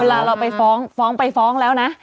เราไปฟ้องฟ้องไปฟ้องแล้วนะ